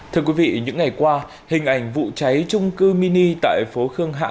thưa quý vị những ngày qua hình ảnh vụ cháy trung cư mini tại phố khương hạ